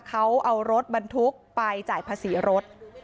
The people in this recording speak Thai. เขาเอารถบรรทุกไปจ่ายภาษีรถ